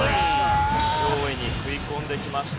上位に食い込んできました。